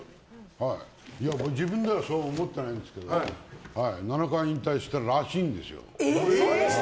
自分ではそう思ってないんですけど７回引退したらしいんですよ。